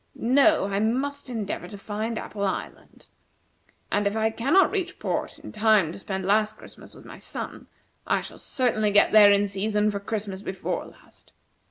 No; I must endeavor to find Apple Island. And if I cannot reach port in time to spend last Christmas with my son, I shall certainly get there in season for Christmas before last.